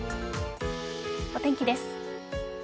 お天気です。